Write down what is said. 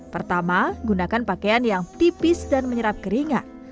pertama gunakan pakaian yang tipis dan menyerap keringat